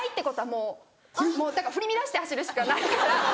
もうだから振り乱して走るしかないから。